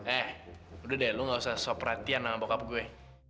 eh udah deh lo gak usah sopra tian sama bokap gue